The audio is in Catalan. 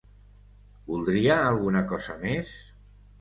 Voldria alguna cosa més?